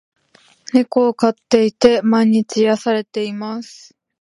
猫を飼っていて、毎日癒されています。